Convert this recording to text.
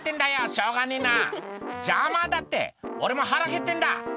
しょうがねえな」「邪魔だって俺も腹へってんだ」